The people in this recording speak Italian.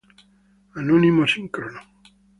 Anonimo sincrono